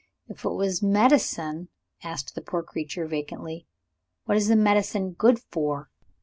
"If it was medicine," asked the poor creature vacantly, "what is the medicine good for?"